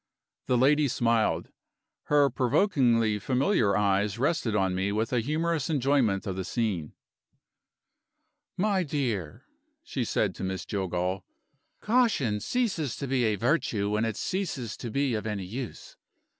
The lady smiled; her provokingly familiar eyes rested on me with a humorous enjoyment of the scene. "My dear," she said to Miss Jillgall, "caution ceases to be a virtue when it ceases to be of any use.